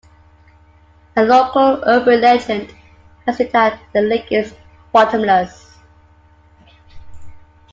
A local urban legend has it that the lake is bottomless.